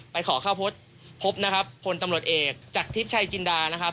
ขอเข้าพบพบนะครับพลตำรวจเอกจากทิพย์ชัยจินดานะครับ